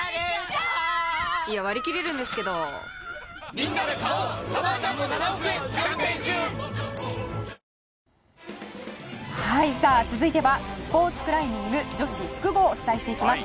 自分、スタンドもそうですし続いてはスポーツクライミング女子複合をお伝えしていきます。